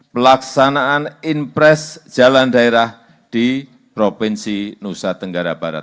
pelaksanaan impres jalan daerah di provinsi nusa tenggara barat